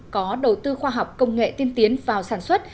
có đầu tư khoa học công nghệ tiên tiến vào sản xuất